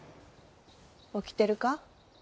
起きてるか？